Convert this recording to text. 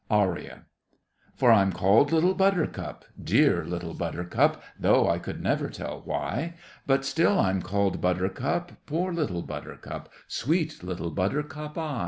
ARIA For I'm called Little Buttercup—dear Little Buttercup, Though I could never tell why, But still I'm called Buttercup—poor little Buttercup, Sweet Little Buttercup I!